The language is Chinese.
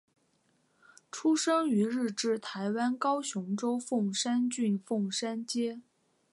出生于日治台湾高雄州凤山郡凤山街。